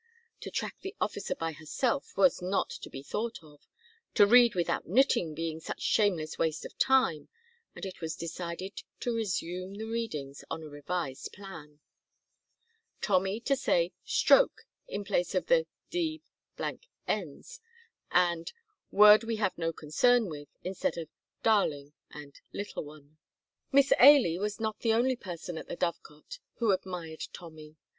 To track the officer by herself was not to be thought of, to read without knitting being such shameless waste of time, and it was decided to resume the readings on a revised plan: Tommy to say "stroke" in place of the "D ns," and "word we have no concern with" instead of "Darling" and "Little One." Miss Ailie was not the only person at the Dovecot who admired Tommy.